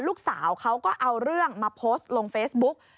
ลูกสาวเขาก็เอาเรื่องมาโพสต์ลงเฟซบุ๊ก